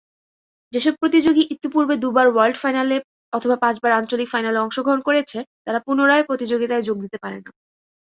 যেসব প্রতিযোগী ইতিপূর্বে দু'বার ওয়ার্ল্ড ফাইনালে অথবা পাঁচবার আঞ্চলিক ফাইনালে অংশগ্রহণ করেছে তারা পুনরায় প্রতিযোগীতায় যোগ দিতে পারে না।